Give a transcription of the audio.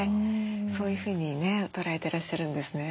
そういうふうにね捉えてらっしゃるんですね。